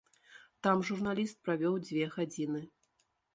Там журналіст правёў дзве гадзіны.